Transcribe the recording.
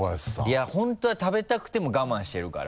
いや本当は食べたくても我慢してるから。